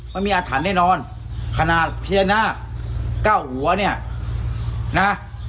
มันมีอาถรรพ์แน่นอนขนาดพญานาคเก้าหัวเนี่ยนะ